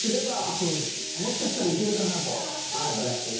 そうですもしかしたら行けるかなと思ったんですけど。